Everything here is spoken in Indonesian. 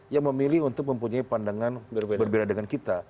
yang memilih untuk mempunyai pandangan berbeda dengan kita